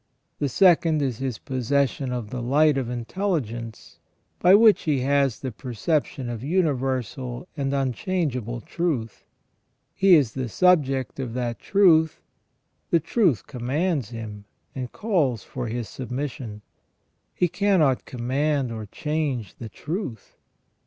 The second is his posses sion of the light of intelligence, by which he has the perception of universal and unchangeable truth. He is the subject of that truth ; the truth commands him, and calls for his submission ; he cannot command or change the truth.